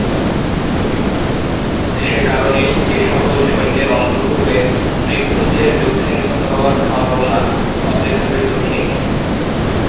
সে কারণেই এ সকল সৈন্যের অন্ধকূপে মৃত্যুর চেয়ে যুদ্ধে নিহত হওয়ার সম্ভাবনা অপেক্ষাকৃত ক্ষীণ।